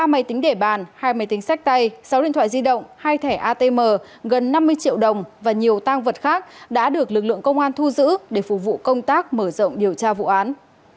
ba máy tính để bàn hai máy tính sách tay sáu điện thoại di động hai thẻ atm gần năm mươi triệu đồng và nhiều tang vật khác đã được lực lượng công an thu giữ để phục vụ công tác mở rộng điều tra vụ án